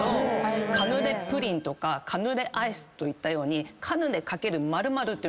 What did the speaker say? カヌレプリンとかカヌレアイスといったように。